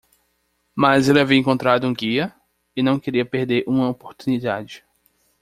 Mas ele havia encontrado um guia? e não queria perder uma oportunidade.